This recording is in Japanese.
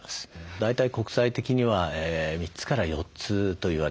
大体国際的には３つから４つと言われてます。